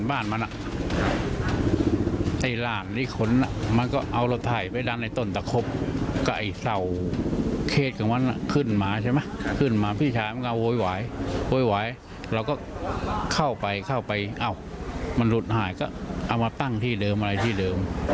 อ้าวมันหลุดหายก็เอามาตั้งที่เดิมอะไรที่เดิม